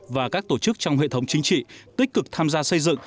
và các tổ chức trong hệ thống chính trị tích cực tham gia xây dựng